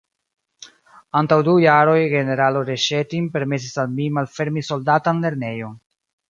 Antaŭ du jaroj generalo Reŝetin permesis al mi malfermi soldatan lernejon.